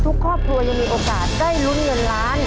ครอบครัวยังมีโอกาสได้ลุ้นเงินล้าน